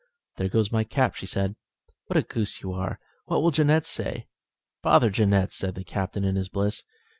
"There goes my cap," said she. "What a goose you are! What will Jeannette say?" "Bother Jeannette," said the Captain in his bliss.